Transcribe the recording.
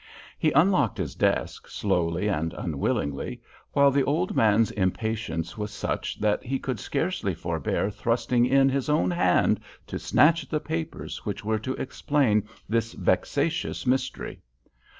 He unlocked his desk, slowly and unwillingly, while the old man's impatience was such that he could scarcely forbear thrusting in his own hand to snatch at the papers which were to explain this vexatious mystery.